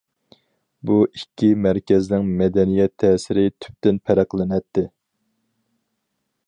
بۇ ئىككى مەركەزنىڭ مەدەنىيەت تەسىرى تۈپتىن پەرقلىنەتتى.